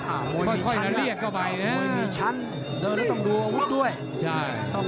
โอ้คือเลือกขวาเช่นเดียวกัน